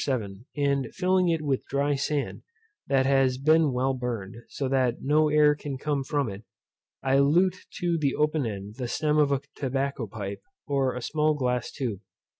7, and filling it up with dry sand, that has been well burned, so that no air can come from it, I lute to the open end the stem of a tobacco pipe, or a small glass tube.